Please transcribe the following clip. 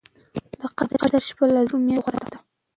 د قدر شپه له زرو مياشتو غوره ده